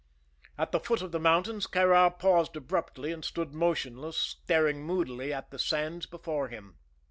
At the foot of the mountains Kāra paused abruptly and stood motionless, staring moodily at the sands before him.